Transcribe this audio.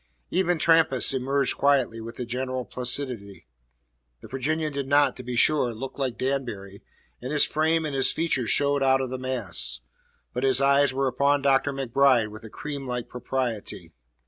Even Trampas merged quietly with the general placidity. The Virginian did not, to be sure, look like Danbury, and his frame and his features showed out of the mass; but his eyes were upon Dr. MacBride with a creamlike propriety.